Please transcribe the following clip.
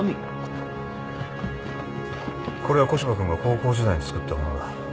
これは古芝君が高校時代に作ったものだ。